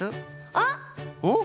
あっ！おっ？